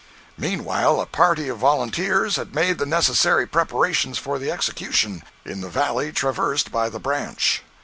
Meanwhile a party of volunteers had made the necessary preparations for the execution, in the valley traversed by the branch.